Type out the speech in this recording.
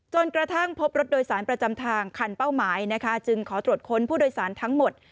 กระทั่งพบรถโดยสารประจำทางคันเป้าหมายนะคะจึงขอตรวจค้นผู้โดยสารทั้งหมด